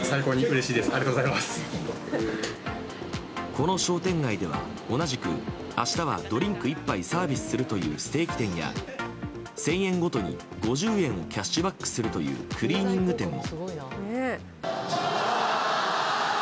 この商店街では、同じく明日はドリンク１杯サービスするというステーキ店や１０００円ごとに５０円をキャッシュバックするというクリーニング店も。